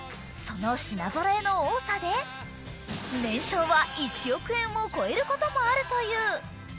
その品ぞろえの多さで年商は１億円を超えることもあるという。